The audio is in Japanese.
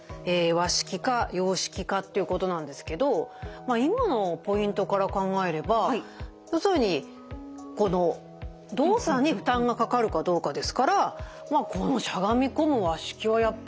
和式か洋式かっていうことなんですけど今のポイントから考えれば要するにこの動作に負担がかかるかどうかですからこのしゃがみ込む和式はやっぱりＮＧでしょ。